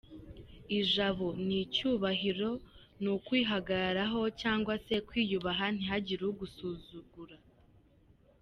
Ijabo: ni icyubahiro, ni ukwihagararaho cyangwa se kwiyubaha ntihagire ugusuzura.